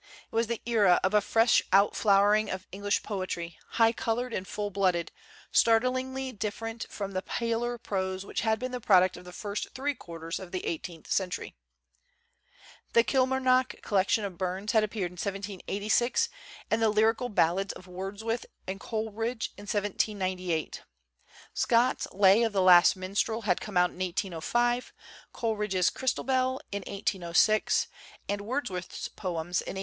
It was the era of a fresh outflowering of Eng lish poetry, high colored and full blooded, start lingly different from the paler prose which had been the product of the first three quarters of the eighteenth century. The Kilmarnock collec tion of Burns had appeared in 1786 and the 'Lyrical Ballads' of Wordsworth and Coleridge 90 THE CENTENARY OF A QUESTION in 1798. Scott's 'Lay of the Last Minstrel' had come out in 1805, Coleridge's 'Christabel' in 1806, and Wordsworth's poems in 1807.